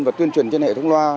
và tuyên truyền trên hệ thống loa